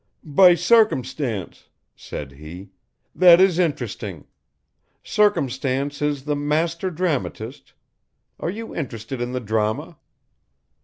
"By circumstance," said he, "that is interesting. Circumstance is the master dramatist are you interested in the Drama?"